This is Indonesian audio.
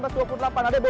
iya tapi tetap muda kan